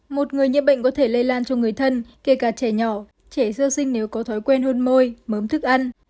một người nhiễm bệnh có thể lây lan cho người thân kể cả trẻ nhỏ trẻ sơ sinh nếu có thói quen hôn môi mớm thức ăn